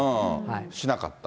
しなかった。